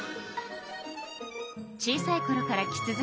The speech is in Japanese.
小さいころから着続け